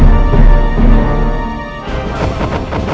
saya ingin menemukan semuanya